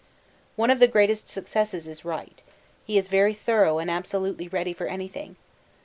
'One of the greatest successes is Wright. He is very thorough and absolutely ready for anything.